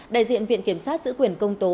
đại diện viện kiểm sát giữ quyền công tố